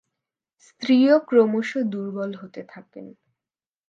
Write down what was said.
স্ত্রীও ক্রমশ দুর্বল হতে থাকেন।